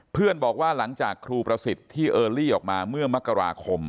บอกว่าหลังจากครูประสิทธิ์ที่เออรี่ออกมาเมื่อมกราคม